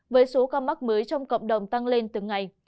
với số ca mắc mới trong cộng đồng tăng lên từng ngày